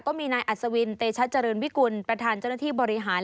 ก็มีนายอัศวินเตชะเจริญวิกุลประธานเจ้าหน้าที่บริหาร